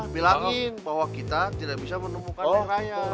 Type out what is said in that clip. bilangin bahwa kita tidak bisa menemukan